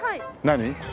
何？